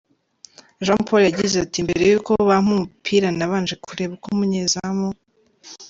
Jean Paul yagize ati “Mbere yuko bampa umupira nabanje kureba uko umunyezamu